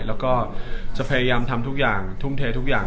แล้วก็จะพยายามทำทุกอย่างทุ่มเททุกอย่าง